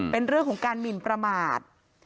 เป็นเรื่องของการหมินประมาท